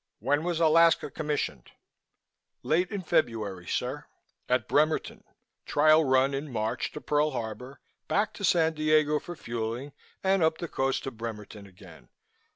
When was Alaska commissioned?" "Late in February, sir! At Bremerton. Trial run in March to Pearl Harbor, back to San Diego for fueling and up the coast to Bremerton again.